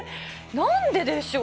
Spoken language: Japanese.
なんででしょう？